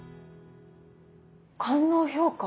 官能評価？